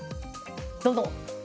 どうぞ。